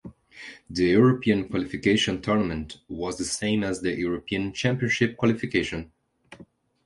The European qualification tournament was the same as the European Championship Qualification.